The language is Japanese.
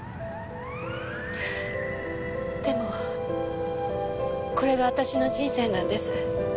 でもこれが私の人生なんです。